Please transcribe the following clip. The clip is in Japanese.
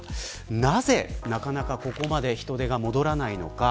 なぜ、なかなかここまで人手が戻らないのか。